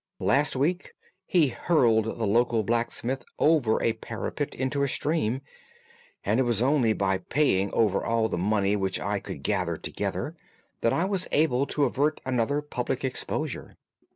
"Last week he hurled the local blacksmith over a parapet into a stream, and it was only by paying over all the money which I could gather together that I was able to avert another public exposure.